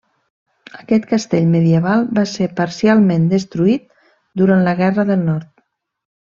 Aquest castell medieval va ser parcialment destruït durant la Guerra del Nord.